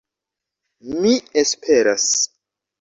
Mi esperas